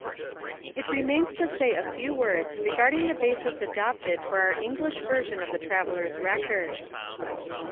89. It remains to say a few words regarding the basis adopted for our English version of the Traveller's record.